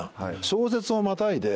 小節をまたいで。